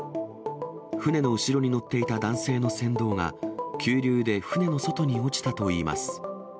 船の後ろに乗っていた男性の船頭が、急流で船の外に落ちたといいます。